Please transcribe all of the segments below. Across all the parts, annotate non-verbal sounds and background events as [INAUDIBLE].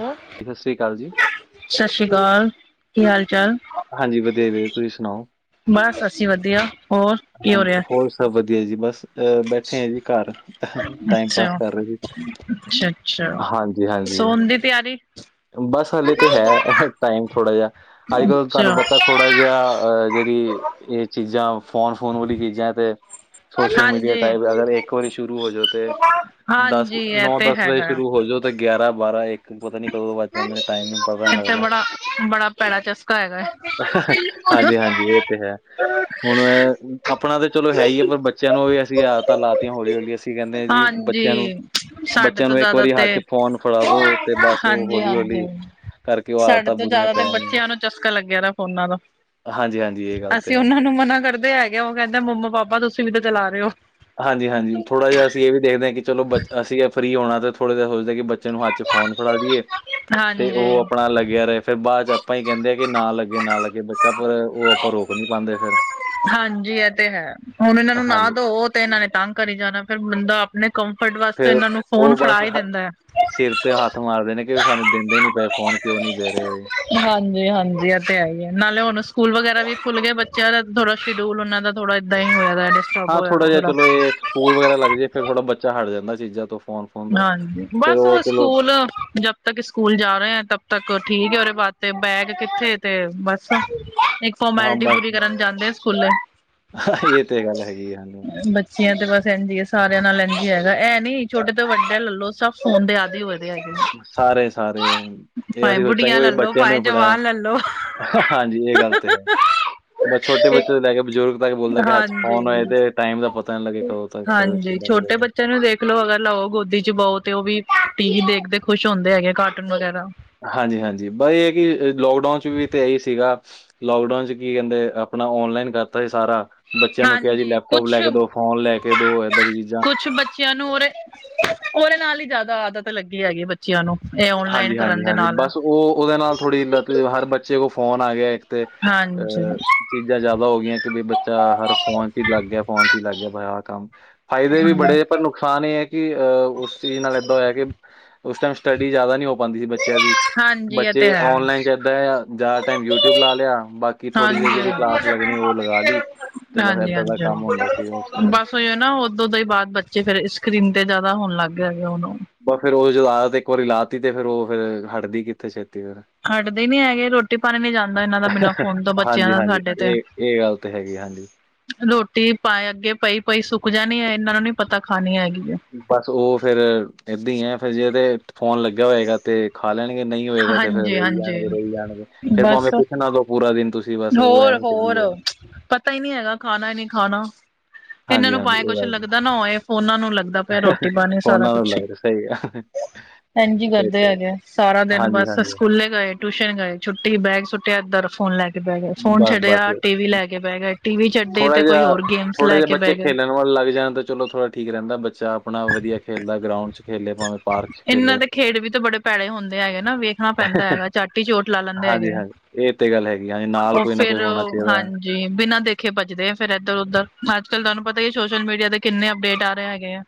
ਆਂ। ਸਾਸਰੀ ਕਾਲ ਜੀ। ਸ਼ਾਸ਼‌ੀ ਕਾਲ, ਕੀ ਹਾਲ-ਚਾਲ ਹਾਂਜੀ, ਵਧੀਆ ਜੀ ਵਧੀਆ ਤੁਹੀਂ ਸੁਣਾਓ? ਬਸ ਅਸੀਂ ਵਧੀਆ ਹੋਰ ਕੀ ਹੋ ਹਾਂਜੀ ਰਿਹਾ ਹੋਰ ਸਭ ਵਧੀਆ ਜੀ ਬਸ। ਅ ਬੈਠੇ ਆ ਜੀ ਘਰ ਟਾਈਮ ਪਾਸ ਅੱਛਾ ਕਰ ਰਹੇ ਜ ਅੱਛਾ ਅੱਛਾ ਹਾਂਜੀ ਹਾਂਜੀ ਸੋਣ ਦੀ ਤਿਆਰੀ ਬਸ ਹਲੇ ਅੱਛਾ ਤੇ ਹੈ ਟਾਈਮ ਥੋੜ੍ਹਾ ਜਿਹਾ ਅੱਜ ਕੱਲ੍ਹ ਤੁਹਾਨੂੰ ਪਤਾ। ਅ ਜਿਹੜੀ ਇਹ ਚੀਜ਼ਾਂ ਫੋਨ ਫੋਨ ਵਾਲੀ ਚੀਜ਼ਾਂ ਤੇ ਸੋਸ਼ਲ ਮੀਡੀਆ ਹਾਂਜੀ ਟਾਈਪ ਅਗਰ ਇੱਕ ਵਾਰੀ ਸ਼ੁਰੂ ਹੋਜੋ ਤੇ ਦਸ ਹਾਂਜੀ ਇਹ ਨੌ ਤੇ ਦਸ ਵਜੇ ਹੈਗਾ ਆ ਸ਼ੁਰੂ ਹੋਜੋ ਗਿਆਰਾਂ ਬਾਰਾਂ ਇੱਕ ਪਤਾ ਨੀ ਕਦੋਂ ਵੱਜ ਜਾਂਦੇ ਨੇ ਟਾਈਮ ਹੀ ਪਤਾ ਨੀ ਇਥੇ ਲੱਗਦਾ। ਬੜਾ ਬੜਾ ਪੈੜਾ ਚਸਕਾ ਹੈਗਾ ਹਾਂਜੀ ਹਾਂਜੀ ਇਹ ਤੇ ਹੈ ਹੁਣ ਆਪਣਾ ਤਾਂ ਚਲੋ ਹੈ ਹੀ ਹੈ ਪਰ ਬੱਚਿਆਂ ਨੂੰ ਵੀ ਅਸੀਂ ਆਤਾਂ ਲਾਤੀਆਂ ਹੌਲੀ ਹੌਲੀ ਅਸੀਂ ਕਹਿੰਦੇ ਹਾਂ ਜੀ ਹਾਂਜੀ ਬੱਚਿਆਂ ਨੂੰ ਸਾਡੇ ਬੱਚਿਆਂ ਤੋਂ ਨੂੰ ਇੱਕ ਜ਼ਿਆਦਾ ਵਾਰੀ ਤੇ ਹੱਥ ਚ ਫੋਨ ਫੜਾ ਦੋ ਤੇ ਬਸ ਉਹ ਹਾਂਜੀ ਹੌਲੀ ਹਾਂਜੀ ਹੌਲੀ ਕਰਕੇ ਉਹ ਸਾਡੇ ਆਦਤਾਂ ਤੋਂ ਬੁਰੀਆਂ ਜ਼ਿਆਦਾ ਪੈ ਤਾਂ ਜਾਂਦੀਆਂ ਬੱਚਿਆਂ ਨੂੰ ਚਸਕਾ ਲੱਗਿਆ ਫੋਨਾਂ ਦਾ ਹਾਂਜੀ ਹਾਂਜੀ ਇਹ ਗੱਲ ਤੇ ਹੈ। ਮੇਨੂੰ ਮਨਾ ਕਰਦੇ ਹੈਗੇ ਆ ਉਹ ਕਹਿੰਦੇ ਮੰਮਾ ਪਾਪਾ ਤੁਸੀਂ ਵੀ ਤੇ ਚਲਾ ਰਹੇ ਹੋ ਹਾਂਜੀ ਹਾਂਜੀ ਥੋੜ੍ਹਾ ਜਿਹਾ ਅਸੀ ਇਹ ਵੀ ਦੇਖਦੇ ਹਾਂ ਚਲੋ ਬ ਅਸੀਂ ਫਰੀ ਹੋਣਾ ਤੇ ਥੋੜਾ ਸੋਚਦੇ ਕਿ ਬੱਚੇ ਨੂੰ ਹੱਚ ਫੋਨ ਫੜਾ ਦੀਈਏ, ਤੇ ਉਹ ਹਾਂਜੀ ਆਪਣਾ ਲੱਗਿਆ ਰਹੇ ਫੇਰ ਬਾਅਦ ਚ ਆਪਾਂ ਈ ਕੈੰਦੇ ਐ ਕਿ ਨਾ ਲੱਗੇ ਨਾ ਲੱਗੇ ਬੱਚਾ ਪਰ ਓਹ ਅਪਾਂ ਰੋਕ ਨੀ ਪਾੰਦੇ ਫੇਰ ਹਾਂਜੀ, ਐ ਤੇ ਹੈ ਹੁਣ, ਇਹਨਾਂ ਨੂੰ ਨਾ ਹਾਂਜੀ ਦੋ ਤੇ ਏਨਾਂ ਨੇ ਤੰਗ ਕਰੀ ਜਾਣੈ, ਫੇਰ ਬੰਦਾ ਨੇ ਕੰਫਰਟ ਵਾਸਤੇ ਫਿਰ ਏਨਾਂ ਨੂੰ ਫੋਨ ਉਹ ਬਸ ਫੜਾ ਈ ਹ ਦਿੰਦੈ। ਸਿਰ ਤੇ ਹੱਥ ਮਾਰਦੇ ਨੇ ਕਿ ਸਾਨੂੰ ਦਿੰਦੇ ਨੀ ਪਏ ਫੋਨ ਕਿਉਂ ਨੀ ਦੇ ਰਹੇ ੳਹੇ ਹਾਂਜੀ ਹਾਂਜੀ ਇਹ ਤੇ ਹੈ ਹੀ ਹੈ ਨਾਲੇ ਹੁਣ ਸਕੂਲ ਵਗੈਰਾ ਵੀ ਖੁੱਲ ਗਿਆ ਬੱਚਿਆਂ ਦਾ ਥੋੜਾ ਸ਼ਡਿਊਲ ਉਹਨਾਂ ਦਾ ਥੋੜ੍ਹਾ ਇਦਾਂ ਹੀ ਹੋਆ ਦਾ, ਡਿਸਟਰਬ ਹਾਂ ਹੋਯਾ ਦਾ ਜਿਹਾ ਥੋੜਾ ਚਲੋ ਇਹ ਸਕੂਲ ਵਗੈਰਾ ਲੱਗ ਜੇ ਉਹ ਵਗੈਰਾ ਲੱਗ ਜਾਏ ਫਿਰ ਥੋੜਾ ਬੱਚਾ ਹਟ ਜਾਂਦਾ ਚੀਜ਼ਾਂ ਤੋਂ ਫੋਨ ਫੋਨ ਤੋਂ ਹਾਂਜੀ ਫਿਰ ਬਸ ਉਹ ਚਲੋ ਸਕੂਲ ਤੱਕ ਸਕੂਲ ਜਾ ਰਹੇ ਆ ਤਬ ਤੱਕ ਠੀਕ ਹੈ ਉਹਦੇ ਬਾਅਦ ਤੇ ਬੈਗ ਕਿੱਥੇ ਤੇ ਬੱਸ ਫੋਰਮੈਲਿਟੀ ਪੂਰੀ ਕਰਨ ਜਾਂਦੇ ਆ ਸਕੂਲੇ ਹ ਇਹ ਤੇ ਗੱਲ ਹੈਗੀ ਹਾ ਚਿਆਂ ਤੇ ਬਸ ਐੰਝ ਈ ਏ, ਸਾਰਿਆਂ ਨਾਲ ਐੰਝਜੀ ਹੈਗਾ ਐਹ ਨੀ ਛੋਟੇ ਤੋਂ ਵੱਡਾ ਲਲੋੋ ਸਭ ਫੋਨ ਦੇ ਆਦਿ ਹੋਏ ਦੇ ਹੈਗੇ ਸਾਰੇ ਸਾਰੇ ਇਹ ਭਾਵੇਂ ਅਸੀਂ ਸੋਚਾਂਗੇ ਬੁੱਢੀਆਂ ਬੀ ਲੈਲੋ ਬੱਚਿਆਂ ਨੂੰ ਭਾਵੇਂ ਵੀ ਜਵਾਨ ਲੈਲੋ ਫੜਾਇਆ ਹਾਂਜੀ ਇਹ ਗੱਲ ਤੇ ਹੈ। ਬਸ ਛੋਟੇ ਬੱਚੇ ਇੱਕ ਤੋਂ ਲੈ ਕੇ ਬਜ਼ੁਰਗ ਤੱਕ ਬੋਲਦੈ ਕਿ ਹੱਥ ਚ ਫੋਨ ਹੋਏ ਹਾਂਜੀ ਤੇ ਟਾਈਮ ਦਾ ਪਤਾ ਨੀ ਲੱਗੇ ਕਦੋ ਹਾਂਜੀ ਛੋਟੇ ਬੱਚਿਆਂ ਨੂੰ ਦੇਖ ਲੋ ਅਗਰ ਲਓ ਗੋਦੀ ਚ ਬਹੋ ਤੇ ਉਹ ਵੀ ਟੀ ਵੀ ਦੇਖਦੇ ਖੁਸ਼ ਹੁੰਦੇ ਹੈਗੇ ਕਾਰਟੂਨ ਵਗੈਰਾ ਹਾਂਜੀ ਹਾਂਜੀ, ਬਸ ਏਹ ਐ ਕਿ ਲੋਕਡਾਊਨ ਚ ਵੀ ਤਾਂ ਐਹੀ ਸੀਗਾ। ਲੋਕਡਾਊਨ ਚ ਕੀ ਕਹਿੰਦੇ ਅਪਣਾ ਔਨਲਾਈਨ ਕਰਤਾ ਸੀ ਸਾਰਾ। ਬੱਚਿਆਂ ਨੂੰ ਕਿਹਾ ਜੀ ਹਾਂਜੀ ਲੈਪਟੋਪ ਕੁਛ ਲੈਕੇ ਦੋ, ਫੋਨ ਲੈਕੇ ਦੋ, ਐਦਾਂ ਦੀ ਚੀਜ਼ਾਂ। ਬਚਿਆਂ ਨੂੰ ਔਰ ਓਹਦੇ ਨਾਲ ਹੀ ਜਿਆਦਾ ਆਦਤ ਲੱਗੀ ਹੈਗੀ ਏ ਬੱਚ ਚਿਆ ਨੂੰ। ਔਨਲਾਈਨ ਹਾਂਜੀ, ਹਾਂਜੀ, ਕਰਨ ਦੇ ਹਾਂਜੀ, ਨਾਲ ਬਸ ਓਹ ਓਦੇ ਨਾਲ ਥੋੜ੍ਹੀ ਹਰ ਬੱਚੇ ਕੋਲ ਫੋਨ ਆ ਗਏ ਤੇ ਹਾਂਜੀ ਅਹ ਚੀਜ਼ਾਂ ਜ਼ਿਆਦਾ ਹੋ ਗਈਆਂ ਕਿ ਬ ਬੱਚਾ ਹਰ ਫੋਨ ਚ ਹੀ ਲੱਗ ਗਿਆ ਫੋਨ ਚ ਹੀ ਲੱਗ ਗਿਆ ਆਹ ਕੰਮ ਫਾਇਦੇ ਵੀ ਬੜੇ ਪਰ ਨੁਕਸਾਨ ਏਹ ਹੈ ਕਿ ਅਹ ਉਸ ਚੀਜ਼ ਨਾਲ ਏਦਾਂ ਹੋਯਾ ਕਿ ਉਸ ਟਾਈਮ ਸਟੱਡੀ ਜਿਆਦਾ ਨੀ ਹੋ ਪਾੰਦੀ ਸੀ, ਬੱ ਬੱਚਿਆਂ ਦੀ ਹਾਂਜੀ ਇਹ ਬੱਚੇ ਤੇ ਔਨਲਾਈਨ ਚ ਇਦਾ ਆ ਜ਼ਿਆਦਾ ਟਾਈਮ ਯੂਟਿਊਬ ਲਾ ਹੈ ਲਿਆ ਬਾਕੀ ਥੋੜ੍ਹੀ ਦੇ ਜਿਹੜੀ ਕਲਾਸ ਲੱਗਣੀ ਓਹ ਲਗਾ ਦੀ। ਹਾਂਜੀ ਹਾਂਜੀ, ਹਾਂ ਬਸ ਪਏ ਨਾ ਓਦੋਂ ਦੇ ਈ ਬਾਦ ਬੱਚੇ ਫੇਰ ਸਕਰੀਨ ਤੇ ਜੈਦਾ ਹੋਣ ਲੱਗ ਗੇ ਹੈਗੇ ਹੋਣ ਓਹ ਬਸ ਫੇਰ ਉਹ ਜਦੋਂ ਆਦਤ ਇੱਕ ਵਾਰੀ ਲਾ ਤੀ ਤੇ ਫੇਰ ਉਹ ਫੇਰ ਹਟਦੀ ਕਿੱਥੇ ਛੇਤੀ ਫੇਰ ਹਟਦੇ ਨੀ ਹੈਗੇ, ਰੋਟੀ ਪਾਣੀ ਨੀ ਜਾਂਦਾ ਇਹਨਾਂ ਦਾ, ਬਿਨਾਂ ਫੋਨ ਤੋਂ ਬੱਚਿਆਂ ਹਾਂਜੀ, ਦਾ ਹਾਂਜੀ ਸਾਡੇ ਤੇ ਇਹ ਇਹ ਗੱਲ ਤਾਂ ਹੈਗੀ ਹਾਂਜੀ। ਰੋਟੀ ਪਾਏ ਅੱਗੇ ਪਈ-ਪਈ ਸੁੱਕ ਜਾਣੀ ਐ, ਏਨਾਂ ਨੂੰ ਨੀ ਪਤਾ ਖਾਣੀ ਹੈਗੀ ਐਂ। ਬਸ ਉਹ ਫੇਰ ਏਦਾਂ ਹੀ ਐ, ਫੇਰ ਜੇ ਤੇ ਫੋਨ ਲੱਗਿਆ ਹੋਏਗਾ ਤੇ ਖਾ ਲੈਣਗੇ, ਨਹੀਂ ਹੋਏਗਾ ਤੇ ਫੇਰ ਰੋਈ ਹਾਂਜੀ-ਹਾਂਜੀ ਜਾਣਗੇ ਰੋਈ ਜਾਣਗੇ, ਫੇਰ ਭਾਵੇਂ ਕੁਛਣਾ ਦੋ ਪੂਰਾ ਦਿਨ, ਤੁਸ ਹੋਰ ਹੋਰ, ਪਤਾ ਹੀ ਨਹੀਂ ਹੈਗਾ ਖਾਣਾ ਹੀ ਨਹੀਂ ਖਾਣਾ ਏਨਾਂ ਹਾਂਜੀ, ਨੂੰ ਹਾਂਜੀ ਭਾਵੇਂ ਇਹ ਕੁਛ ਗੱਲ ਲੱਗਦਾ ਨਾ ਹੋਏ, ਫੋਨਾਂ ਨੂੰ ਲੱਗਦਾ ਤਾਂ ਪੇਐ ਰੋਟੀ-ਪਾਣੀ ਸਾਰਾ ਫੋਨਾਂ ਨਾਲ ਕੁਛ। ਲੱਗ ਰਿਹਾ ਸਹੀ ਗੱਲ ਐੰਜ ਈ ਇਹ ਕਰਦੇ ਤਾਂ ਹੈ। ਹੈਗੇੇ ਆ, ਸਾਰਾ ਦਿਨ ਹਾਂਜੀ, ਬਸ ਹਾਂਜੀ ਸਕੂਲੇ ਗਏ। ਟੂਸ਼ਨ ਗਏ, ਛੁੱਟੀ ਬੈਗ ਸੁੱਟਿਆ, ਏਦਰ ਫੋਨ ਲੈ ਕੇ ਬੈ ਗਏ, ਫੋਨ ਬਸ, ਛੱਡਿਆ, ਬਸ ਟੀ ਵੀ ਲੈ ਕੇ ਬੈ ਗਏ, ਟੀ ਵੀ ਛਡੀ, ਤੇ ਕੋਈ ਹੋਰ ਗੇਮਸ ਲੈ ਕੇ ਬੈਹ ਗਏ। ਫੋਨ ਲੱਗ ਜਾਣ ਤਾਂ ਚਲੋ ਥੋੜਾ ਠੀਕ ਰੈੰਦਾ, ਬੱਚਾ ਅਪਣਾ ਵਧੀਆ ਖੇਲਦਾ ਗਰਾਊਂਡ ਚ। ਖੇਲੇ ਭਾਵੇਂ ਪਾਰਕ 'ਚ ਇਨਾਂ ਖੇਲੇ। ਦੇ ਖੇਡ ਵੀ ਤੇ ਬੜੇ ਪੈੜੇ ਹੁੰਦੇ ਹੈਗੇ ਨਾ, ਵੇਖਣਾ ਪੈਂਦਾ ਹੈਗੈ। ਝੱਟ ਈ ਚੋਟ ਲਾ ਲੈਂਦੇ ਹਾਂਜੀ, ਹੈਗੇ ਐ, ਹਾਂਜੀ ਇਹ ਤੇ ਗੱਲ ਹੈਗੀ ਹਾਂਜੀ ਨਾਲ ਓਹ ਕੋਈ ਨਾ ਕੋਈ ਫੇਰ ਹੋਣਾ ਓਹ ਚਾਹੀਦਾ ਹੈ। ਹਾਂਜ ਜੀ ਬਿਨਾ ਦੇਖੇ ਭਜਦੇ ਆ ਫੇਰ ਏਧਰ ਉੱਧਰ, ਅੱਜ ਕਲ੍ਹ ਤੁਹਾਨੂੰ ਪਤਾ ਹੀ ਹੈ, ਸੋਸ਼ਲ ਮੀਡੀਆ ਤੇ ਕਿੰਨੇ ਅਪਡੇਟ ਆ ਰਹੇ ਹੈਗੇ ਆ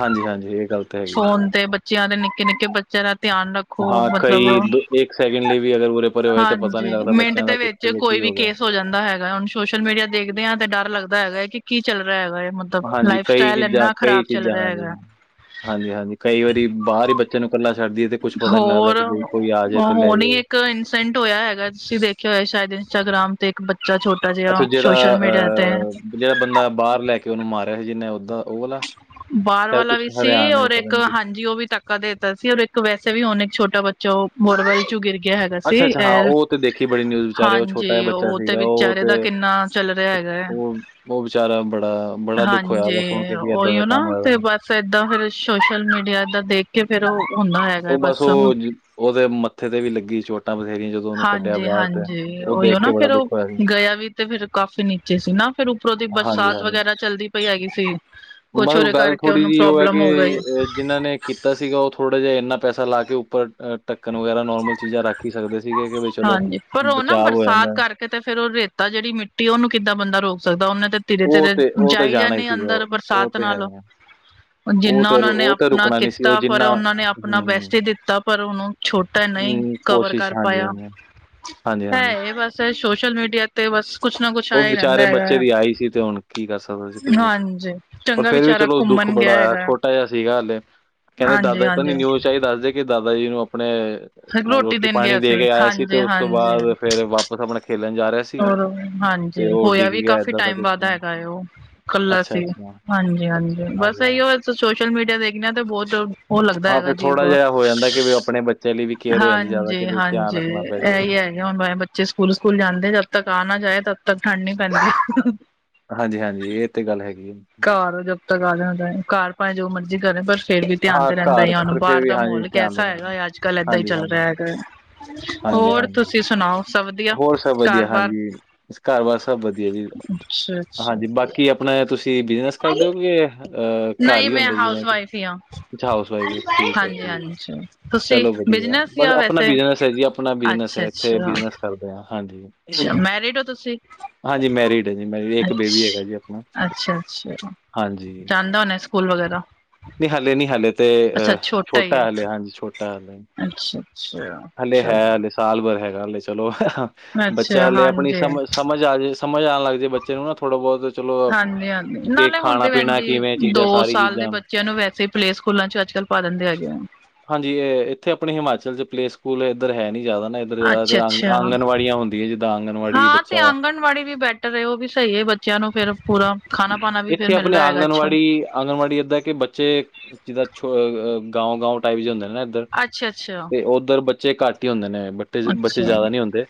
ਹਾਂਜੀ ਹਾਂਜੀ, ਏਹ ਗੱਲ ਤਾਂ ਹੈਗੀ। ਫੋਨ ਤੇ, ਬੱਚਿਆਂ ਦੇ ਨਿੱਕੇ ਨਿੱਕੇ ਬੱਚਿਆਂ ਦਾ ਧਿਆਨ ਰੱਖ ਖੋ ਹਾਂ, ਮਤਲਬ, ਕਈ ਦ ਸੈਕਿੰਡ ਲਈ ਵੀ ਅਗਰ ਉਰੇ-ਪਰੇ ਹੋਏ ਤੇ ਪਤਾ ਨਹੀਂ ਹਾਂਜੀ ਲੱਗਦਾ ਮਿੰਟ ਬੱਚਿਆਂ ਦਾ ਦੇ ਵੇੱਚ ਕਿੱਥੇ ਤੇ ਕੋਈ ਕੀ ਵੀ ਗਿਆ। ਕੇਸ ਹੋ ਜਾਂ ਦਾ ਹੈਗਾ, ਹੁਣ ਸੋਸ਼ਲ ਮੀਡੀਆ ਦੇਖਦੇ ਹਾਂ ਤੇ ਡਰ ਲੱਗਦਾ ਹੈਗਾ ਹੈ, ਕਿ ਕੀ ਚੱਲ ਰਿਹਾ ਹੈਗਾ ਇਹ ਮੁੱਦਾ ਹਾਂਜੀ, ਕਈ ਚੀਜ਼ਾਂ ਕਈ ਚੀਜ਼ਾਂ, ਹਾਂਜੀ ਹੈਗਾ ਹਾਂਜੀ, ਹਾਂਜੀ ਹਾਂਜੀ, ਕਈ ਵਾਰੀ ਬਾਰ ਈ ਬੱ ਬੱਚੇ ਨੂੰ ਕੱਲਾ ਛੱਡਦੀਏ, ਤੇ ਕੁਛ ਪਤਾ ਨੀ ਲੱਗਦਾ ਹੋਰ ਕਿ ਬਈ ਕੋਈ ਆ ਜੇ ਤੇ ਲੈ ਜੇ। ਸੈਂਕਡ ਹੋਇਆ ਹੈਗਾ, ਤੁਸੀਂ ਦੇਖਿਆ ਹੋਏ ਸ਼ਇਦ ਇੰਸਟਾਗ੍ਰਾਮ ਤੇ, ਇੱਕ ਬੱਚਾ ਛੋਟ ਛੋਟਾ ਜੇਆ, ਸੋਸ਼ਲ ਮੀਡੀਆ ਤੇ। ਜੇੜਾ ਬੰਦਾ, ਬਾਹਰ ਲੈਕੇ ਓਨੂੰ ਮਾਰਿਆ ਸੀ ਜਿਨੇ ਔਦ ਬਾਹਰ ਵਾਲਾ ਵੀ ਸੀ, ਔਰ ਪਤਾ ਇੱਕ ਨਹੀਂ ਕਿ ਹਾਂਜੀ ਉਹ ਵੀ ਤੱਕ ਧੱਕਾ ਦੇ ਦਿੱਤਾ ਸੀ, ਔਰ ਇੱਕ ਵੈਸੇ ਵੀ ਹੁਨ ਇੱਕ ਛੋਟਾ ਬੱਚਾ ਉਹ ਬੜਵਾਰੀ ਚ ਗਿਰ ਗਯਾ ਹੈਗਾ ਸੀ, ਅੱਛਾ-ਅੱਛਾ ਹਾਂ, ਇਹ ਉਹ ਤੇ ਦੇਖੀ ਬੜੀ ਨਿਊਜ਼ ਵਿਚਾਰੇ ਉਹ ਛੋਟਾ ਜਿਹਾ ਹਾਂਜੀ, ਬੱਚਾ ਉਹ ਤੇ ਸੀਗਾ ਉਹ ਵਿਚਾਰੇ ਦਾ ਤੇ ਕਿੰਨਾ ਚੱਲ ਰਿਹਾ ਹੈਗਾ ਹੈ, ਉਹ ਉਹ ਵਿਚਾਰਾ ਬੜਾ, ਬੜਾ ਦੁੱਖ ਹੋਇਆ ਹਾਂਜੀ ਵਾ ਸੁਣ ਕੇ ਕਿ ਏਦਾਂ ਦਾ ਉਹੀਓ ਨਾ, ਕੰਮ ਤੇ ਹੋਇਆ। ਬਸ ਏਦਾਂ, ਫਿਰ ਸੋਸ਼ਲ ਮੀਡੀਆ ਏਦਾਂ ਦੇਖ ਕੇ ਫੇਰ ਓਹ ਹੁੰਦਾ ਹੈ। ਉਹ ਬਸ ਉਹ ਉਹਦੇ ਮੱਥੇ ਤੇ ਵੀ ਲੱਗੀ ਚੋਟਾਂ ਬਥੇਰੀਆਂ, ਜਦੋਂ ਉਹਨੂੰ ਕੱਢਿਆ ਹਾਂਜੀ, ਬਾਹਰ ਤੇ ਹਾਂਜੀ, ਉਹ ਓਹੀਓ ਦੇਖ ਨਾ ਕੇ ਬੜਾ ਫੇਰ ਦੁੱਖ ਓਹ ਹੋਇਆ ਸੀ। ਗਿਆ ਵੀ ਤੇ ਫੇਰ ਕਾਫ਼ੀ ਨੀਚੇ ਸੀ ਨਾ, ਫੇਰ ਉੱਪਰੋਂ ਦੀ ਹਾਂਜੀ, ਬਰਸਾਤ ਹਾਂਜੀ। ਵਗੈਰਾ ਚੱਲਦੀ ਪਈ ਹੈਗੀ ਸੀ ਕੁਛ ਬਸ ਉਹਦੇ ਗੱਲ ਕਰਕੇ ਥੋੜ੍ਹੀ ਉਹਨੂੰ ਜਿਹੀ ਉਹ ਹੈ ਪ੍ਰੋਬਲਮ ਹੋ ਗਈ ਕਿ ਜਿਹਨਾਂ ਨੇ ਕੀਤਾ ਸੀਗਾ, ਉਹ ਥੋੜ੍ਹਾ ਜਿਹਾ ਇੰਨਾ ਪੈਸਾ ਲਾ ਕੇ ਉੱਪਰ ਢੱਕਣ ਵਗੈਰਾ ਨੋਰਮਲ ਚੀਜ਼ਾਂ ਰੱਖ ਹੀ ਸਕਦੇ ਸੀਗੇ, ਕਿ ਵਈ ਹਾਂਜੀ, ਪਰ ਉਹ ਨਾ ਬਰਸਾਤ ਕਰਕੇ ਤੇ ਫੇਰ ਉਹ ਰੇਤਾ, ਜਿਹੜੀ ਮਿੱਟੀ ਉਹਨੂੰ ਕਿੱਦਾਂ ਬੰਦਾ ਰੋਕ ਸਕਦਾ, ਉਹਨੇ ਤੇ ਉਹ ਧੀਰੇ-ਧੀਰੇ ਤੇ ਉਹ ਤੇ ਜਾਈ ਜਾਣਾ ਹੀ ਜਾਂਣੇ ਸੀਗਾ। ਅੰਦਰ, ਉਹ ਬਰਸਾਤ ਤੇ ਹੈ। ਨਾਲੋ। ਉਹ ਜਿੰਨਾ ਤੇ ਉਹਨਾਂ ਰੁ- ਨੇ ਉਹ ਤੇ ਆਪਣਾ ਰੁਕਣਾ ਨਹੀਂ ਸੀ ਉਹ ਕੀਤਾ, ਪਰ ਜਿੰਨਾ ਉਹਨਾਂ ਨੇ ਹੂੰ, ਆਪਣਾ ਹੂੰ, ਬੈਸਟ ਹੀ ਦਿੱਤਾ ਪਰ ਹੁਣ ਉਹ ਛੋਟਾ ਨਹੀਂ ਹੂੰ ਕਵਰ ਕੋਸ਼ਿਸ਼ ਕਰ ਹਾਂਜੀ, ਪਾਇਆ, ਹਾਂਜੀ, ਐਏ ਬਸ ਐ ਸੋਸ਼ਲ ਮੀਡੀਆ ਤੇ ਬਸ ਕੁਛ ਨਾ ਕੁਛ ਔ ਆਇਆ ਹੀ ਰਹਿੰਦਾ ਵਿਚਾਰੇ ਬੱਚੇ ਹੈਗਾ ਦੀ ਆਈ ਸੀ, ਤੇ ਹੁਣ ਕੀ ਕਰ ਸਕਦਾ ਜੀ ਕੋਈ ਕੁਛ। ਹਾਂਜੀ ਪਰ ਚੰਗਾ ਫੇਰ ਵੀ ਵਿਚਾਰਾ ਚਲੋ ਦੁੱਖ ਘੁੰਮਣ ਬੜਾ ਗਿਆ ਹੋਇਆ, ਹੈਗਾ ਛੋਟਾ ਜਿਹਾ ਸੀਗਾ ਹਲੇ ਕਹਿੰਦੇ ਹਾਂਜੀ ਦਾਦਾ ਪਤਾ ਨੀ ਹਾਂਜੀ ਨਿਊਜ਼ ਚਾਈਦਾ ਕਿ ਦਾਦਾ ਜੀ ਨੂੰ ਅਪਣੇ ਰੋਟੀ ਦੇਣ ਪਾਣੀ ਗਿਆ ਦੇ ਕੇ ਆਇਆ ਸੀ, ਤੇ ਹਾਂਜੀ ਉਸ ਤੋਂ ਬਾਦ ਫੇਰ ਵਾਪਿਸ ਅਪਣਾ ਖੇਲਣ ਜਾ ਰਿਹਾ ਸ ਹੋਰ ਹਾਂਜੀ ਜੀ ਹੋਇਆ ਵੀ ਕਾਫੀ ਏਦਾਂ ਦਾ ਟਾਈਮ ਕੁਛ ਬਾਦ ਕੰਮ ਹੈਗਾ ਏ ਓਹ, ਕੱਲਾ ਅੱਛਾ, ਸੀ, ਅੱਛਾ, ਹਾਂਜੀ ਹਾਂਜੀ ਅੱਛਾ ਬਸ ਹਾਂਜੀ। ਅਹੀਓ ਸ ਸੋਸ਼ਲ ਮੀਡੀਆ ਵੇਖਣੇ ਆ ਤੇ, ਬੌਤ ਓਹ ਲੱਗਦਾ ਹਾਂ, ਹੈਗਾ ਫਿਰ ਅਜੀਬ। ਥੋੜਾ ਜਿਹਾ ਹੋ ਜਾਂਦਾ ਕਿ ਵੀ ਉਹ ਆਪਣੇ ਬੱਚਿਆਂ ਲਈ ਵੀ ਕੇਅਰ ਹੋ ਜਾਂਦੀ ਜ਼ਿਆਦਾ ਹਾਂਜੀ ਕਿ ਵੀ ਧਿਆਨ ਹਾਂਜੀ ਰੱਖਣਾ ਪੈ ਏ ਜਾਵੇ। ਹੀ ਹੈ ਹੁਣ ਬੱਚੇ ਸਕੂਲ ਸਕੂਲ ਜਾਂਦੇ, ਜਦ ਤੱਕ ਆ ਨਾ ਜਾਏ ਤਦ ਤੱਕ ਠੰਢ ਨੀ ਪੈਂਦੀ ਹਾਂਜੀ ਹਾਂਜੀ, ਏ ਤੇ ਗੱਲ ਹੈਗੀ ਏ। ਘਰ ਜਬ ਤਕ ਆ ਜਾਂਦਾ, ਘਰ ਭਾਵੇ ਜੋ ਮਰਜੀ ਕਰੇ ਪਰ ਫੇਰ ਵੀ ਧਿਆਨ ਹਾਂ, ਤੇ ਰੈੰਦਾ ਈ ਘਰ ਐ, ਹੋਣ ਪਰ ਫਿਰ ਬਾਹਰ ਵੀ ਦਾ ਹਾਂਜੀ ਮਹੋਲ ਧਿਆਨ ਕੈਸਾ ਦੇਣਾ ਪੈਂਦਾ। ਹੈਗਾ ਅੱਜ। ਕੱਲ੍ਹ ਏਦਾਂ ਹੀ ਹਾਂਜੀ, ਚੱਲ ਹਾਂਜੀ, ਰਿਹਾ ਹੈਗਾ ਹਾਂਜੀ, ਹੋਰ ਹਾਂਜੀ। ਤੁਸੀਂ ਸੁਣਾਓ? ਸਭ ਵਧੀਆ ਹੋਰ ਸਭ ਵਧੀਆ ਘਰ ਬਾਰ ਹਾਂਜੀ ਘਰ ਬਾਰ ਸਭ ਵਧੀਆ ਜੀ। ਅੱਛਾ ਅੱਛਾ ਹਾਜੀ, ਬਾਕੀ ਅਪਣੇ ਤੁਸੀਂ ਬਿਜਨਸ ਕਰਦੇਓ ਕਿ ਅਹ ਘਰ ਨਹੀਂ ਹੀ ਮੈਂ ਹੁੰਦੇ ਜਿਵੇਂ ਹਾਊਸ ਕਿ? ਵਾਈਫ ਹੀ ਹਾਂ ਅੱਛਾ ਹਾਊਸ ਵਾਈਫ ਠੀਕ ਹੈ ਹਾਂਜੀ ਠੀਕ ਹਾਂਜੀ ਤੁਸੀਂ ਚਲੋ ਵਧੀਆ ਬਿਜਨਸ ਬਸ ਜਾਂ ਆਪਣਾ ਵੈਸੇ ਬਿਜਨਸ ਹੈ ਜੀ ਆਪਣਾ ਬਿਜਨਸ ਅੱਛਾ ਹੈ। ਉੱਥੇ ਅੱਛਾ ਬਿਜਨਸ ਕਰਦੇ ਆ ਹਾਂਜੀ। ਅੱਛਾ ਮੈਰਿਡ ਹੋ ਤੁਸੀਂ? ਹਾਂਜੀ ਮੈਰਿਡ ਹੈ ਜੀ ਮੈਰਿਡ ਇੱਕ ਬੇਬੀ ਹੈਗਾ ਅਛ, ਜੀ ਆਪਣਾ ਅੱਛਾ, ਅੱਛਾ, ਹਾਂਜੀ ਜਾਂਦਾ ਹੋਣੈ ਸ ਫੂਲ ਵਗੈਰਾ ਨਹੀਂ ਹਲੇ ਨੀ ਹਲੇ ਤੇ ਅੱਛਾ ਅ ਹੀ ਹੈ ਛੋਟਾ ਹਲੇ ਹਾਂਜੀ ਛੋਟਾ ਹਾਲੇ। ਅੱਛਾ ਅੱਛਾ ਹਲੇ ਹੈ ਚਲੋ ਹਲੇ ਸਾਲ ਬਰ ਹੈਗਾ, ਹਲੇ ਚਲੋ। ਅੱਛਾ ਬੱਚਿਆਂ ਆਪਣੀ ਹਾਂਜੀ ਸਮਝ ਸਮਝ ਆ ਜਾੇ ਸਮਝ ਆਉਣ ਲੱਗ ਜਾੇ ਬੱਚੇ ਨੂੰ ਨਾ ਥੋੜਾ ਬਹੁਤ ਚਲੋ ਹਾਂਜੀ ਹਾਂਜੀ, ਕਿ ਨਾਲੇ ਹੁਣ ਖਾਣਾ ਤੇ ਵੈਣ ਪੀਣਾ ਕਿਵੇਂ ਜੀ ਚੀਜ਼ਾਂ ਦੋ ਸਾਰੀ ਸਾਲ ਦੇ ਚੀਜ਼ਾਂ ਬੱਚਿਆਂ ਨੂੰ ਵੈਸੇ ਈ ਪਲੇਅ ਸਕੂਲਾਂ ਚ ਅੱਜ-ਕੱਲ ਪਾ ਦਿੰਦੇ ਆ ਗਏ। ਹਾਂਜੀ, ਏਹ ਇੱਥੇ ਅਪਣੇ ਹਿਮਾਚਲ ਚ ਪਲੇ ਸਕੂਲ ਏਧਰ ਹੈ ਨੀ ਜੈਦਾ ਨਾ। ਇੱਧਰ ਜ਼ਿਆਦਾਤਰ ਆਂਗ ਅੱਛਾ-ਅੱਛਾ ਆਂਗਣਵਾੜੀਆਂ ਹੁੰਦੀ ਹੈ ਜਿੱਦਾਂ ਆਂਗਣਵਾੜੀ ਹਾਂ ਬੱਚਾ ਤੇ' ਆਂਗਣਵਾੜੀ ਵੀ ਬੈਟਰ ਉਹ ਵੀ ਸਹੀ ਹੈ। ਬੱਚਿਆਂ ਨੂੰ ਫੇਰ ਪੂਰਾ ਖਾਣਾ ਪਾਣਾ ਵੀ ਫੇਰ ਮਿਲਦਾ ਹੈਗਾ ਅੱਛਾ ਆਂਗਨਵਾੜੀ ਏਦਾਂ ਕਿ ਬੱਚੇ ਜਿੱਦਾਂ ਛ' ਅਹ ਗਾਂ ਗਾਉਂ ਟਾਈਪ ਜ ਹੁੰਦੇ ਨੇ ਨਾ ਅੱਛਾ ਅੱਛਾ ਤੇ ਉੱਧਰ ਬੱਚੇ ਘੱਟ ਹੀ ਹੁੰਦੇ ਨੇ। ਬੱਚੇ ਅੱਛਾ ਜ਼ਿਆਦਾ ਨਹੀਂ ਹੁੰਦੇ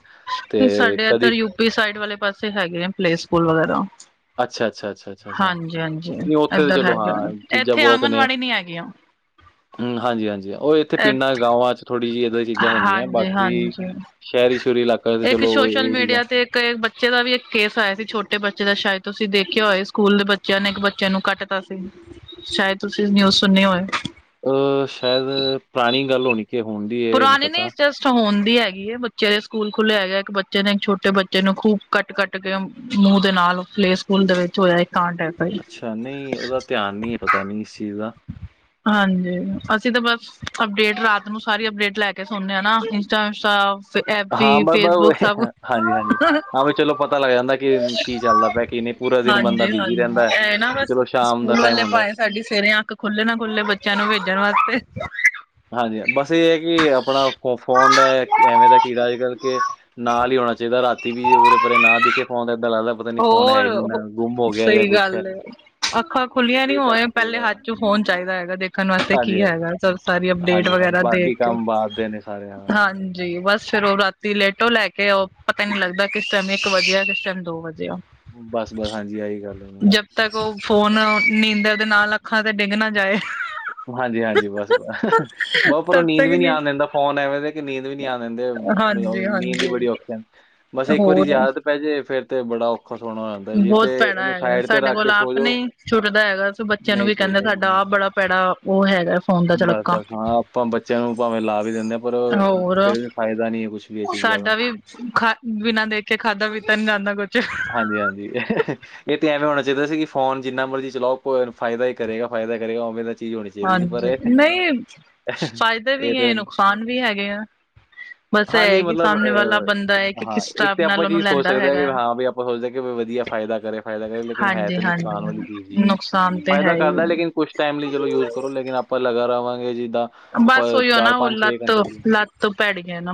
ਤੇ' ਸਾਡੇ ਇੱਧਰ ਯੂਪੀ ਸਾਈਡ ਵਾਲੇ ਪਾਸੇ ਹੈਗੇ ਨੇ ਪਲੇ ਸਕੂਲ ਵਗੈਰਾ ਅੱਛਾ-ਅੱਛਾ-ਅੱਛਾ-ਅੱਛਾ-ਅੱਛਾ ਹਾਂਜੀ ਹਾਂਜੀ ਨਹੀਂ ਉੱਥੇ ਤਾਂ ਇੱਧਰ ਚਲੋ ਹੈਗੇ ਹਾਂ ਚੀਜ਼ਾਂ ਇੱਥੇ ਬਹੁਤ ਨੇ ਆਂਗਣਵਾੜੀ ਨੀ ਹੈਗੀਆਂ ਹਮ ਹਾਂਜੀ-ਹਾਂਜੀ ਉਹ ਇੱਥੇ ਪਿੰਡਾਂ ਗਾਵਾਂ ਚ' ਥੋੜ੍ਹੀ ਜਿਹੀ ਇੱਦਾਂ ਦੀ ਚੀਜ਼ਾਂ ਹੁੰਦੀਆਂ ਬਾਕੀ ਹਾਂਜੀ-ਹਾਂਜੀ। ਸ਼ਹਿਰੀ ਛੂਰੀ ਇਲਾਕਾ ਤੇ' ਇੱਕ ਚਲੋ ਸੋਸ਼ਲ ਇਹ ਚੀਜ਼ਾਂ ਮੀਡੀਆ ਤੇ ਇੱਕ ਬੱਚੇ ਦਾ ਵੀ ਇੱਕ ਕੇਸ ਆਇਆ ਸੀ ਛੋਟੇ ਬੱਚੇ ਦਾ ਸ਼ਾਇਦ ਤੁਸੀਂ ਦੇਖਿਆ ਹੋਏ ਸਕੂਲ ਦੇ ਬੱਚਿਆਂ ਨੇ ਇੱਕ ਬੱਚੇ ਨੂੰ ਕੱਟ [UNINTELLIGIBLE] ਸੀ ਸ਼ਾਇਦ ਤੁਸੀਂ ਨਿਊਜ਼ ਸੁਣੀ ਹੋਏ ਅ' ਸ਼ਾਇਦ ਪੁਰਾਣੀ ਗੱਲ ਹੋਣੀ ਹੁੰਦੀ ਹੈ। ਪੁਰਾਣੇ ਨੇ ਹੋਣ ਦੀ ਹੈਗੀ ਹੈਏ ਬੱਚੇ ਦੇ ਸਕੂਲ ਖੁੱਲ੍ਹੇ ਹੈਗੇ ਇੱਕ ਬੱਚੇ ਨੇ ਇੱਕ ਛੋਟੇ ਬੱਚੇ ਨੂੰ ਖੂਬ ਕੱਟ ਕੱਟ ੱਕੇ ਮੂੰਹ ਦੇ ਨਾਲ ਪਲੇ ਸਕੂਲ ਦੇ ਵਿੱਚ ਹੋਇਆ ਕਾਂਡਕ ਅੱਛਾ ਨਹੀਂ ਉਹਦਾ ਧਿਆਨ ਨੀ ਪਤਾ ਨੀ ਇਸ ਚੀਜ਼ ਦਾ ਹਾਂਜੀ ਅਸੀਂ ਤਾਂ ਬਸ ਅਪਡੇਟ ਰਾਤ ਨੂੰ ਸਾਰੀ ਅਪਡੇਟ ਲੈ ਕੇ ਸੁਣਦੇ ਆ ਨਾ ਇੰਸਟਾਸਟਾ ਹਾਂ ਬ' ਹਾਂਜੀ-ਹਾਂਜੀ ਹਾਂ ਵੀ ਚਲੋ ਪਤਾ ਲੱਗ ਜਾਂਦਾ ਕਿ ਕੀ ਚੱਲਦਾ ਪਿਆ ਕਿਨੇ ਪੂਰਾ ਦਿਨ ਬੰਦਾ ਬਿਜੀੀ ਹਾਂਜੀ-ਹਾਂਜੀ ਰਹਿੰਦਾ ਇਹ ਨਾ ਤੇ ਬਸ ਚਲੋ ਸ਼ਾਮ ਦਾ ਸਕੂਲ ਟਾਈਮ ਵਾਲੇ ਹਉਂਦਾ। ਭਾਵੇਂ ਸਾਡੀ ਸਵੇਰੇ ਅੱਖ ਖੁੱਲ੍ਹੇ ਨਾ ਖੁੱਲ੍ਹੇ ਬੱਚਿਆਂ ਨੂੰ ਭੇਜਣ ਵਾਸਤੇ। ਹਾਂਜੀ ਬਸ ਇਹ ਹੈ ਕਿ ਆਪਣਾ ਫੋਨ ਦਾ ਐਵੇਂ ਦਾ ਕੀ ਅੱਜ ਕੱਲ੍ਹ ਕਿ ਨਾਲ ਹੀ ਹੋਣਾ ਚਾਹੀਦਾ ਰਾਤੀ ਵੀ ਉਰੇ ਪਰੇ ਨਾ ਦਿਖੇ ਫੋਨ ਇੱਦਾਂ ਲੱਗਦਾ। ਪਤਾ ਨਹੀਂ ਫੋਨ ਹੈ ਹੋਰ ਹੀ ਨਹੀਂ, ਨਾ ਗੁੰਮ ਹੋ ਗਿਆ ਜਾਂ ਸਹੀ ਕੁਛ ਗੱਲ ਹੈ। ਅੱਖਾਂ ਖੁੱਲੀਆਂ ਉਹਦੇ ਨੀ ਹੀ ਹੋਆ ਪਹਿਲਾਂ ਪਹਿਲੇ ਚਾਹੀਦਾ। ਹੱਥ ਚ ਫੋਨ ਚਾਹੀਦਾ ਹੈਗਾ ਦੇਖਣ ਵਾਸਤੇ ਹਾਂਜੀ ਕੀ ਹਾਂਜੀ ਹੈਗਾ। [UNINTELLIGIBLE] ਸਾਰੀ ਅਪਡੇਟ ਹਾਂਜੀ ਹਾਂਜੀ ਵਗੈਰਾ ਦੇਖ ਬਾਕੀ ਕੇ ਕੰਮ ਬਾਅਦ ਦੇ ਨੇ ਸਾਰੇ। ਹਾਂ ਹਾਂਜੀ ਜੀ ਬਸ ਫੇਿਰ ਉਹ ਰਾਤੀ ਲੇਟੋ ਲੈ ਕੇ ਉਹ ਪਤਾ ਹੀ ਨੀ ਲੱਗਦਾ ਕਿਸ ਟਾਈਮ ਇੱਕ ਵਧੀਆ ਕਿਸ ਟਾਈਮ ਦੋ ਵਧੀਆ। ਜੀ। ਬਸ ਬਸ ਹਾਂਜੀ ਆਹੀ ਗੱਲ ਨੀ। ਤੱਕ ਉਹ ਫੋਨ ਓ ਨੀਂਦਰ ਦੇ ਨਾਲ ਅੱਖਾਂ ਤੇ ਡਿੱਗ ਨਾ ਜਾਏ। ਹਾਂਜੀ ਹਾਂਜੀ ਬਸ ਬਹੁ ਪਰ ਉਹ ਤਬ ਨੀਂਦ ਤੱਕ ਵੀ ਨੀ ਆਉਣ ਦਿੰਦਾ ਫੋਨ ਐਵੇਂ ਦੇ ਕੇ ਨੀਂਦ ਵੀ ਨੀ ਆ ਦਿੰਦੇ ਹਾਂਜੀ ਨੀਂਦ ਦੀ ਹਾਂਜੀ ਬੜੀ ਔਖੇ ਬਸ ਇੱਕ ਵਾਰੀ ਹੋਰ ਜੇ ਆਦਤ ਪੈ ਜਾੇ ਫਿਰ ਤੇ ਬੜਾ ਔਖਾ ਸੌਣਾ ਹੋ ਜਾਂਦਾ ਜੇ ਬਹੁਤ ਤੇ ਭੈੜ ਇਹਨੂੰ ਹੈਗਾ ਸਾਈਡ ਤੇ ਸਾਡੇ ਰੱਖ ਕੋਲ ਕੇ ਸੋ ਆਪ ਜਾਓ ਨਹੀਂ ਛੁੱਟਦਾ ਹੈਗਾ ਬੱਚੇ ਬੱਚਿਆਂ ਨੂੰ ਨਹੀਂ ਵੀ ਕਹਿੰਦੇ ਛੁੱਟਦਾ ਸਾਡਾ ਆਪ ਬੜਾ ਪੈੜਾ ਉਹ ਹੈਗਾ। ਫੋਨ ਦਾ ਬਸ ਚਲੱਕਾ ਬਸ ਹਾਂ ਆਪਾਂ ਬੱਚਿਆਂ ਨੂੰ ਭਾਵੇਂ ਲਾ ਵੀ ਦਿੰਦੇ ਹਾਂ। ਪਰ ਹੋਰ ਫਿਰ ਵੀ ਫਾਇਦਾ ਨੀ ਏ, ਕੁਛ ਵੀ ਇਹ ਚੀਜ਼ਾਂ ਦਾ। ਸਾਡਾ ਵੀ ਖਾ ਬਿਨਾਂ ਦੇਖੇ ਖਾਧਾ-ਪੀਤਾ ਨੀ ਜਾਂਦਾ ਕੁੱਛ। ਹਾਂਜੀ-ਹਾਂਜੀ ਇਹ ਤੇ ਐਵੇਂ ਹੋਣਾ ਚਾਹੀਦਾ ਸੀ, ਕਿ ਫੋਨ ਜਿੰਨਾ ਮਰਜ਼ੀ ਚਲਾਓ, ਕੋ ਫਾਇਦਾ ਹੀ ਕਰੇਗਾ-ਫਾਇਦਾ ਹੀ ਕਰੇਗਾ, ਉਵੇਂ ਦਾ ਚੀਜ਼ ਹੋਣੀ ਚਾਹੀਦੀ ਸੀ ਪਰ ਹਾਂਜੀ, ਇਹ ਨਹੀਂ ਫਾਇਦੇ ਇਹ ਵੀ ਏ, ਤਾਂ ਨੁਕਸਾਨ ਵੀ ਹੈਗੇ ਆ ਬਸ ਹਾਂ ਨਹੀਂ ਇਹ ਕਿ ਮਤਲਬ ਸਾਹਮਣੇ ਵਾਲਾ ਬੰਦਾ, ਏ ਅਹ, ਕਿ ਹਾਂ ਕਿਸ ਇੱਕ ਟਾਇਪ ਤੇ ਨਾਲ ਆਪਾਂ ਉਹਨੂੰ ਚੀਜ਼ ਸੋਚ ਲੈਂਦਾ ਸਕਦੇ ਹਾਂ ਐਗਾ। ਕਿ ਹਾਂ ਵੀ ਆਪਾਂ ਸੋਚਦੇ ਕਿ ਵਧੀਆ ਫਾਇਦਾ ਕਰੇ-ਫਾਇਦਾ ਕਰੇ, ਲੇਕਿਨ ਹੈ ਹਾਂਜੀ ਤੇ ਨੁਕਸਾਨ ਵਾਲੀ ਹਾਂਜੀ ਚੀਜ਼ ਈ ਹੈ। ਨੁਕਸਾਨ ਤੇ ਹੈ ਫਾਇਦਾ ਹੀ ਕਰਦਾ ਹੈ। ਲੇਕਿਨ ਕੁਛ ਟਾਈਮ ਲਈ ਚਲੋ ਯੂਜ ਕਰੋ, ਲੇਕਿਨ ਆਪਾਂ ਲਗਾ ਰਹਾਵਾਂਗੇ ਜਿੱਦਾਂ ਬਸ ਉਹੀਓ ਨਾ ਉਹ ਘੰਟੇ ਲਈ ਲੱਤ-ਲੱਤ ਭੈੜੀ ਏ ਨਾ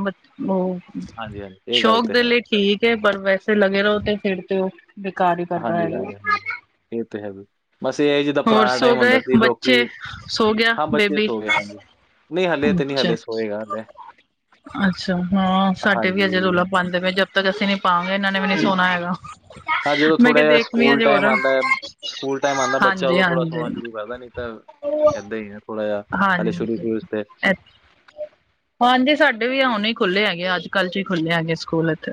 ਉਹ ਹਾਂਜੀ-ਹਾਂਜੀ, ਇਹ ਗੱਲ ਸ਼ੌਕ ਤੇ ਦੇ ਹੈ। ਲਈ ਠੀਕ ਪਰ ਵੈਸੇ ਲੱਗੇ ਰਹੋ, ਤੇ ਫਿਰ ਤੇ ਉਹ ਬੇਕਾਰ ਹੀ ਕਰਦਾ ਹਾਂਜੀ ਹੈਗਾ। ਹਾਂਜੀ ਹਾਂਜੀ ਇਹ ਤਾਂ ਹੈ। ਬਸ ਇਹ ਜਿੱਦਾਂ ਹੋਰ ਪੁਰਾਣਾ ਸੋ ਟਾਈਮ ਹੁੰਦਾ ਗਏ ਸੀ ਲੋਕੀ, ਬੱਚੇ ਸੋ ਗਿਆ ਹਾਂ ਬੱਚੇ ਬੇਬੀ। ਸੋ ਗਏ ਹਾਂਜੀ। ਨਹੀਂ ਹਲੇ ਤੇ ਨਹੀਂ, ਅੱਛਾ ਹਲੇ ਸੋਏਗਾ ਹਲੇ। ਅੱਛਾ ਹਾਂ, ਸਾਡੇ ਵੀ ਅਜੇ ਰੌਲਾ ਹਾਂਜੀ ਪਾਂਦੇ ਪਏ, ਜਦ ਤੱਕ ਅਸੀਂ ਨ ਪਾਂਗੇ ਇਹਨਾਂ ਨੇ ਵੀ ਨੀ ਸੋਣਾ ਹੈਗਾ, ਹਾਂ ਜਦੋਂ ਮੈਂ ਥੋੜਾ ਕਿਹਾ ਜਿਹਾ ਦੇਖਦੀ ਸਕੂਲ ਹਜੇ ਟਾਈਮ ਹੋਰ, ਆਂਦਾ ਹੈ ਸਕੂਲ ਟਾਈਮ ਆਂਦਾ ਹਾਂਜੀ ਬੱਚਾ ਉਦੋਂ ਥੋੜਾ ਹਾਂਜੀ ਸੋਣਾ ਸ਼ੁਰੂ ਕਰਦਾ, ਨੀ ਤਾਂ ਏਦਾਂ ਹੀ ਹੈ, ਥੋੜਾ ਜਿਹਾ ਹਾਲੇ ਹਾਂਜੀ ਸ਼ੁਰੂ-ਸ਼ੁਰੂ ਚ ਤੇ ਹਾਂਜੀ, ਸਾਡੇ ਵੀ ਹੁਣ ਹੀ ਖੁੱਲ੍ਹੇ ਹੈਗੇ ਆ, ਅੱਜ-ਕੱਲ ਚ ਹੀ ਖੁੱਲ੍ਹੇ ਹੈਗੇ ਸਕੂਲ ਇੱਥੇ।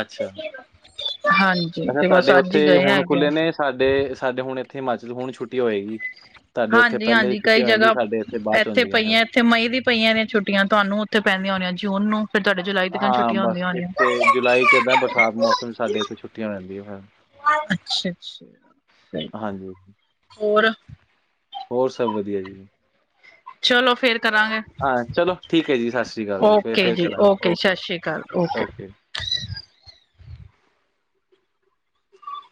ਅੱਛਾ। ਹਾਂਜੀ। ਮੈਂ ਕਿਹਾ ਤੇ ਬਸ ਤੁਹਾਡੇ ਅੱਜ ਉੱਥੇ ਹੀ ਗਏ ਹੁਣ ਹੈਗੇ। ਖੁੱਲ੍ਹੇ ਨੇ, ਸਾਡੇ-ਸਾਡੇ ਹੁਣ ਇੱਥੇ ਹਿਮਾਚਲ ਚ ਹੁਣ ਛੁੱਟੀ ਹੋਏਗੀ। ਤਾਡੇ ਉੱਥੇ ਪਹਿਲੇ ਹੀ ਹਾਂਜੀ-ਹਾਂਜੀ ਛੁੱਟੀਆਂ ਹੋ ਜਾਂਦੀ, ਸਾਡੇ ਇੱਥੇ ਬਾਚ ਹੌਦੀਆਂ ਫੇਰ। ਏਥੇ ਮਈ ਦੀ ਪਈਆਂ ਨੇ ਛੁੱਟੀਆਂ, ਤੁਹਾਨੂੰ ਉੱਥੇ ਪੈਂਦੀਆਂ ਹੋਣੀਆਂ ਜੂਨ ਨੂੰ। ਫੇਰ ਤਾਡੇ ਜੁਲਾਈ ਤੱਕ ਹਾਂ, ਛੁੱਟੀਆਂ ਬਸ ਹੁੰਦੀਆਂ ਹੋਣੀਆਂ। ਇੱਥੇ ਜੁਲਾਈ ਚ ਏਦਾਂ ਬਰਸਾਤ ਮੌਸਮ ਚ, ਸਾਡੇ ਇੱਥੇ ਛੁੱਟੀਆਂ ਹੋ ਜਾਦੀਆਂ ਫੇਰ। ਅੱਛਾ-ਅੱਛਾ। ਸਹੀ ਹਾਂਜੀ। ਹੋਰ। ਹੋਰ ਸਭ ਵਧੀਆ ਜੀ। ਚਲੋ ਫੇਰ ਕਰਾਂਗੇ। ਹਾਂ ਚਲੋ ਠੀਕ ਹੈ ਜੀ, ਸਸਰੀ ਕਾਲ ਜੀ, ਓਕੇ ਫਿਰ-ਫਿਰ ਜੀ ਕਰਾਂਗੇ, ਓਕੇ ਸਤਿ ਸ਼੍ਰੀ ਅਕਾਲ ਓਕੇ। ਜੀ-ਓਕੇ ਜੀ।